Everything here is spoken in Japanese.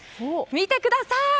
見てください！